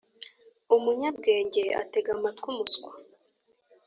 Umunyabwenge atega amatwi umuswa